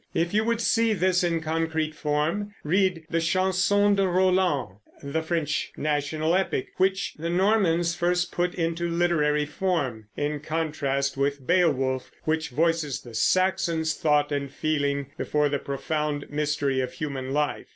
If you would see this in concrete form, read the Chanson de Roland, the French national epic (which the Normans first put into literary form), in contrast with Beowulf, which voices the Saxon's thought and feeling before the profound mystery of human life.